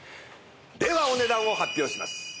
ではお値段を発表します！